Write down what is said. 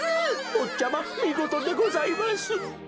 ぼっちゃまみごとでございます。